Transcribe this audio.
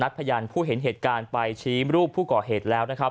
นัดพยานผู้เห็นเหตุการณ์ไปชีมรูปผู้เกาะเหตุแล้ว